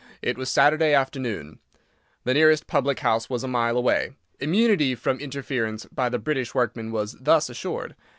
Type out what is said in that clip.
It was Saturday afternoon. The nearest public house was a mile away. Immunity from interference by the British workman was thus assured.